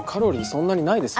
そんなにないですよ。